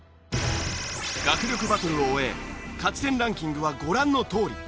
学力バトルを終え勝ち点ランキングはご覧のとおり。